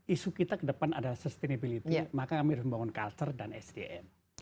isu kita ke depan adalah sustainability maka kami harus membangun culture dan sdm